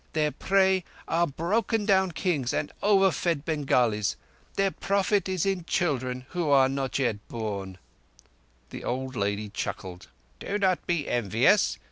Their prey are broken down kings and overfed Bengalis. Their profit is in children—who are not born." The old lady chuckled. "Do not be envious.